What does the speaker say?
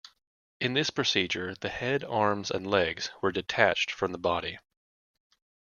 In this procedure, the head, arms, and legs were detached from the body.